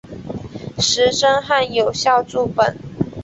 石声汉有校注本。